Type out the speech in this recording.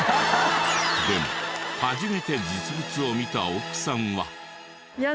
でも初めて実物を見た奥さんは。